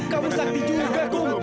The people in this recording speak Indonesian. kamu sakti juga kang